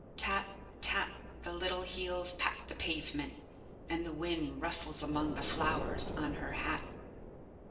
Tap, tap, the little heels pat the pavement, and the wind rustles among the flowers on her hat.